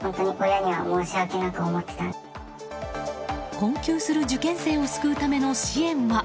困窮する受験生を救うための支援は？